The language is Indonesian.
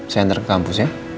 saya antar ke kampus ya